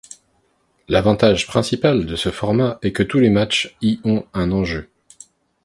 L'avantage principal de ce format est que tous les matchs y ont un enjeu.